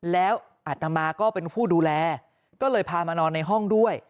แล้วอัตมาก็เป็นผู้ดูแลก็เลยพามานอนในห้องด้วย